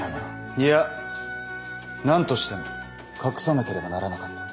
いや何としても隠さなければならなかった。